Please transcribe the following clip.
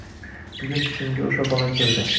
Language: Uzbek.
bugun tushimga o‘sha bola kirdi...